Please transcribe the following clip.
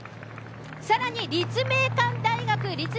さらに立命館大学。